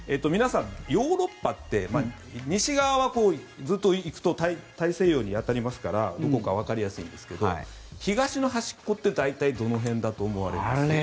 皆さん、ヨーロッパって西側は、ずっと行くと大西洋に当たりますからどこかわかりやすいんですが東の端っこって大体どの辺だと思われます？